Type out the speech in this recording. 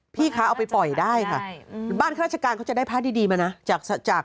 พี่คะเอาไปปล่อยได้ค่ะบ้านคลาชการเขาจะได้พระดีมานะ